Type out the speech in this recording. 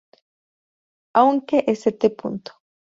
Aunque St.